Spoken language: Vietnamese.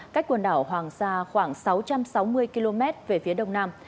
cách quần đảo hoàng sa khoảng sáu trăm sáu mươi km về phía đông nam